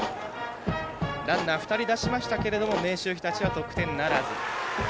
ランナー２人出しましたけれども明秀日立は得点ならず。